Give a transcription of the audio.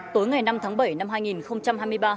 tối ngày năm tháng bảy năm hai nghìn hai mươi ba